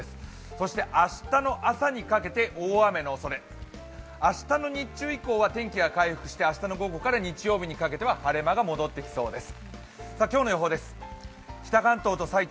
そして明日の朝にかけて大雨のおそれ明日の日中以降は天気が回復して、明日の午後から日曜日にかけては晴れ間が戻ってきそうです。